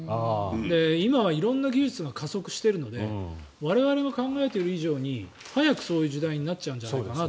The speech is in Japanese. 今は色んな技術が加速しているので我々が考えている以上に早くそういう時代になっちゃうんじゃないかな。